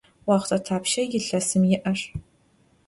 Voxhte thapşşa yilhesım yi'er?